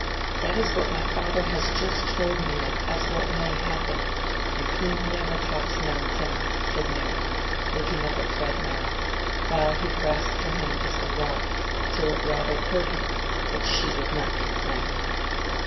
"That is what my father has just told me of as what may happen, and he never talks nonsense," said Mary, looking up at Fred now, while he grasped her hand as they walked, till it rather hurt her; but she would not complain.